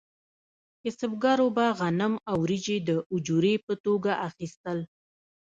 کسبګرو به غنم او وریجې د اجورې په توګه اخیستل.